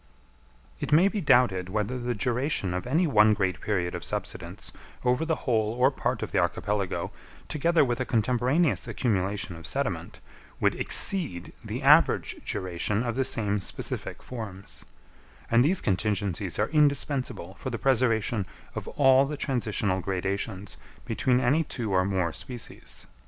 It may be doubted whether the duration of any one great period of subsidence over the whole or part of the archipelago, together with a contemporaneous accumulation of sediment, would exceed the average duration of the same specific forms; and these contingencies are indispensable for the preservation of all the transitional gradations between any two or more species.